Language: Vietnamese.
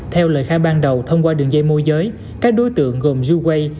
theo lời khai ban đầu thông qua đường dây môi giới các đối tượng gồm zhu wei